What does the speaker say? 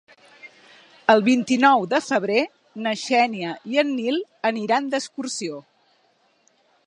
El vint-i-nou de febrer na Xènia i en Nil aniran d'excursió.